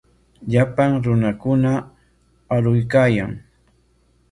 Llapan runakuna aruykaayan.